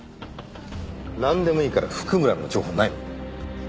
なんでもいいから譜久村の情報ないの？